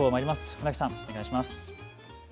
船木さん、お願いします。